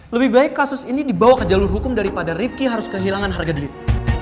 lebih baik kasus ini dibawa ke jalur hukum daripada rifki harus kehilangan harga diri